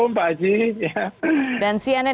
terima kasih selamat malam